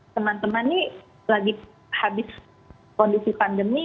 teman teman ini lagi habis kondisi pandemi